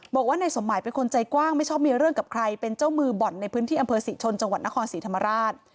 บอกว่านายสมหมายเป็นคนใจกว้างไม่ชอบมีเรื่องกับใครเป็นเจ้ามือบ่อนในพื้นที่อำเภอศรีชนจังหวัดนครศรีธรรมราช